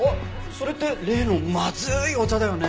それって例のまずいお茶だよね？